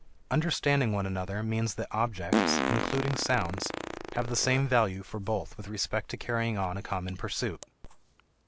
Understanding one another means that objects, including sounds, have the same value for both with respect to carrying on a common pursuit.